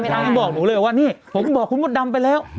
ทางนี้บอกหนูเลยว่านี่ผมบอกคุณมดดำไปแล้ว